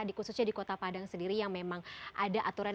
di khususnya di kota padang sendiri yang memang ada aturan